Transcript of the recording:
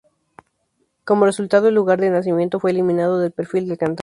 Como resultado, el "Lugar de nacimiento" fue eliminado del perfil del cantante.